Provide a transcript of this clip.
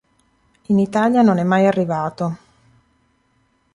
In Italia non è mai arrivato.